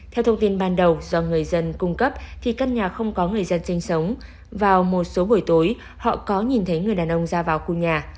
theo thông tin ban đầu do người dân cung cấp thì căn nhà không có người dân sinh sống vào một số buổi tối họ có nhìn thấy người đàn ông ra vào khu nhà